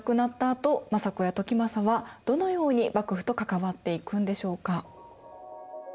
あと政子や時政はどのように幕府と関わっていくんでしょうか。